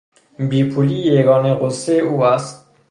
بیپولی یگانه غصهی او است.